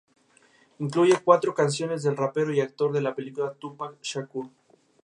Incluye cuatro canciones del rapero y actor de la película Tupac Shakur.